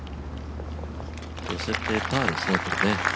寄せてパーですね。